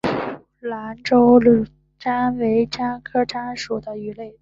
兰州鲇为鲇科鲇属的鱼类。